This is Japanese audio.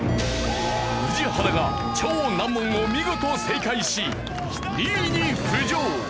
宇治原が超難問を見事正解し２位に浮上。